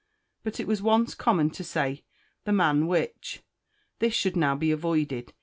But it was once common to say, "the man which." This should now be avoided.